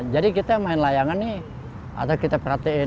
jadi kita main layangan nih atau kita perhatiin